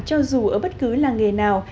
cho dù ở bất cứ làng nghề nào